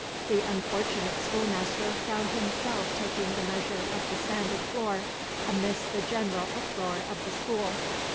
The unfortunate schoolmaster found himself taking the measure of the sanded floor, amidst the general uproar of the school.